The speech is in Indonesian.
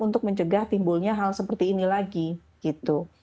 untuk mencegah timbulnya hal seperti ini lagi gitu